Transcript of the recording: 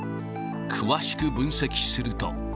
詳しく分析すると。